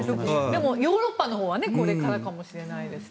でもヨーロッパのほうはこれからかもしれないですね。